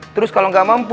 terus kalau gak mampu